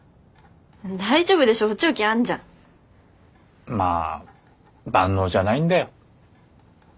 大丈夫でしょ補聴器あんじゃん。まあ万能じゃないんだよ。